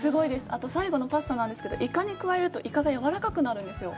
あと、最後のパスタなんですけど、イカに加えるとイカがやわらかくなるんですよ。